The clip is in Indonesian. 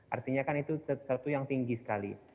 artinya kan itu sesuatu yang tinggi sekali